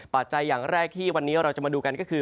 อย่างแรกที่วันนี้เราจะมาดูกันก็คือ